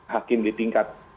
hakim di tingkat